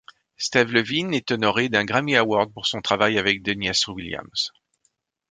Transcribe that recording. Steve Levine est honoré d'un Grammy Award pour son travail avec Deniece Williams.